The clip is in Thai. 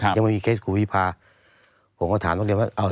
ยังไม่มีเคสกูวิพาผมก็ถามก้อเดียแล้วว่า